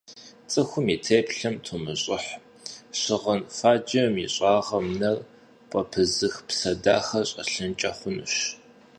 Цӏыхум и теплъэм тумыщӏыхь: щыгъын фаджэм и щӏагъым нэр пӏэпызых псэ дахэ щӏэлъынкӏэ хъунущ.